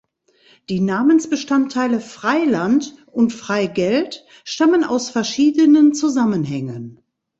Die Namensbestandteile "Freiland" und "Freigeld" stammen aus verschiedenen Zusammenhängen.